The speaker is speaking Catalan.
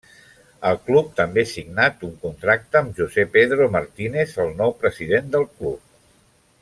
El club també signat un contracte amb José Pedro Martínez, el nou president del club.